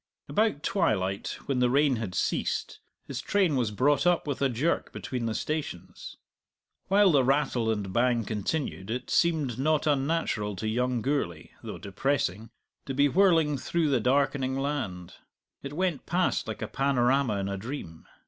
About twilight, when the rain had ceased, his train was brought up with a jerk between the stations. While the rattle and bang continued it seemed not unnatural to young Gourlay (though depressing) to be whirling through the darkening land; it went past like a panorama in a dream.